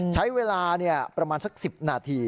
ใช้เวลาประมาณสัก๑๐นาที